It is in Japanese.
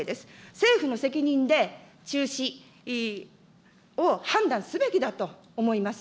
政府の責任で、中止を判断すべきだと思います。